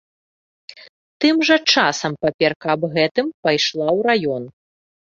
Тым жа часам паперка аб гэтым пайшла ў раён.